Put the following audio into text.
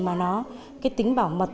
mà nó tính bảo mật